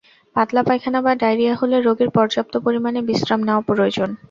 পাতলা পায়খানা বা ডায়রিয়া হলে রোগীর পর্যাপ্ত পরিমাণে বিশ্রাম নেওয়া প্রয়োজন।